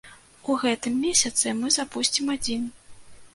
У гэтым месяцы мы запусцім адзін.